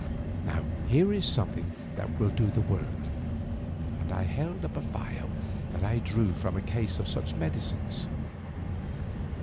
Here is something that will do the work," and I held up a phial that I drew from a case of such medicines.